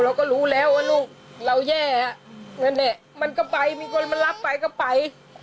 เราก็รู้แล้วว่าลูกเราแย่นั่นแหละมันก็ไปมีคนมารับไปก็ไป